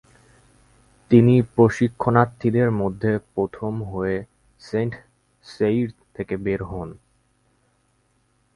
তিনি প্রশিক্ষণার্থীদের মধ্যে প্রথম হয়ে সেইন্ট সেইর থেকে বের হন।